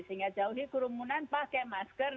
sehingga jauhi kerumunan pakai masker